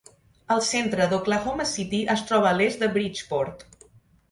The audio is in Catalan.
El centre d'Oklahoma City es troba a l'est de Bridgeport.